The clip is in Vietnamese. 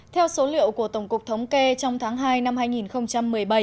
theo số liệu của tổng cục thống kê trong tháng hai năm hai nghìn một mươi bảy